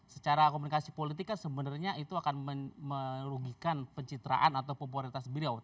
secara komunikasi politik kan sebenarnya itu akan merugikan pencitraan atau popularitas beliau